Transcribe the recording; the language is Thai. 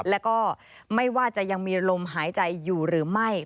แล้วก็ไม่ว่าจะยังมีลมหายใจอยู่หรือไม่